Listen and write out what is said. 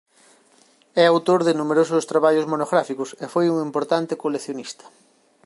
É autor de numerosos traballos monográficos e foi un importante coleccionista.